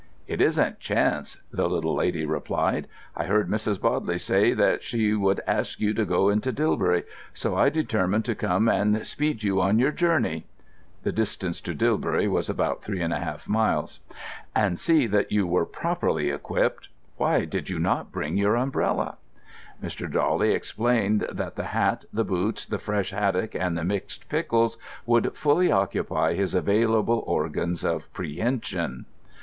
"It isn't chance," the little lady replied. "I heard Mrs. Bodley say that she would ask you to go into Dilbury; so I determined to come and speed you on your journey" (the distance to Dilbury was about three and a half miles) "and see that you were properly equipped. Why did not you bring your umbrella?" Mr. Jawley explained that the hat, the boots, the fresh haddock, and the mixed pickles would fully occupy his available organs of prehension.